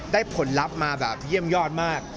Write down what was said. ผลลัพธ์มาแบบเยี่ยมยอดมาก